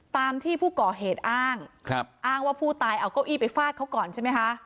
ตามที่ผู้ก่อเหตุอ้างอ้างว่าผู้ตายเอาเก้าอี้ไปฟาดเขาก่อนใช่ไหมคะ